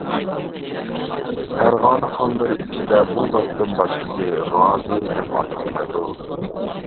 پەرغانە خانلىرى ئىچىدە بۇ زاتتىن باشقىسى غازى دەپ ئاتالمايدۇ.